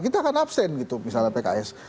kita akan absen gitu misalnya pks